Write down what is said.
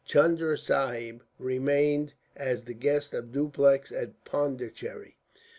Chunda Sahib remained, as the guest of Dupleix, at Pondicherry.